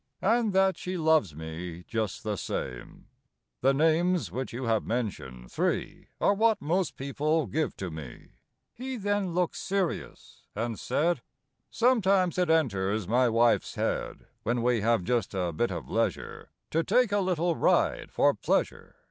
And that she loves me just the same." Copyrighted, 1897 I HE names which you have mentioned, three, what most people give to me." then looked serious and said :— 1897. Copyrighted, Xf^OMETIMES it enters my wife's head, When we have just a bit of leisure, To take a little ride for pleasure.